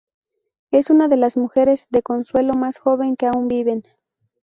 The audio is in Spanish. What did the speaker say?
Es una de las mujeres de consuelo más jóvenes que aún viven.